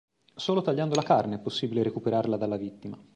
Solo tagliando la carne è possibile recuperarla dalla vittima.